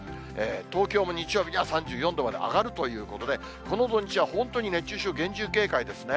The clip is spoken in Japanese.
東京も日曜日には３４度まで上がるということで、この土日は本当に熱中症、厳重警戒ですね。